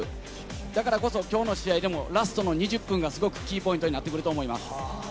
だからこそ、きょうの試合でも、ラストの２０分がすごくキーポイントになってくると思います。